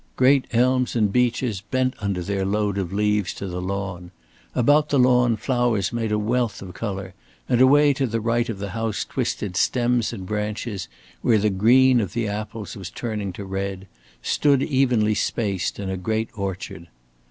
Great elms and beeches bent under their load of leaves to the lawn; about the lawn, flowers made a wealth of color, and away to the right of the house twisted stems and branches, where the green of the apples was turning to red, stood evenly spaced in a great orchard.